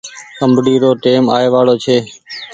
آمبڙي رو ٽئيم آئي وآڙو ڇي۔